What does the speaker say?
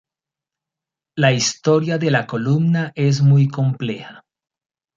La historia de la columna es muy compleja.